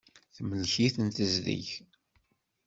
Temlek-iten tezdeg.